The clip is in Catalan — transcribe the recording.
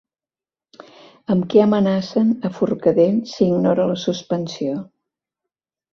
Amb què amenacen a Forcadell si ignora la suspensió?